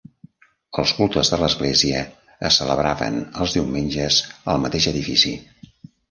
Els cultes de l'església es celebraven els diumenges al mateix edifici.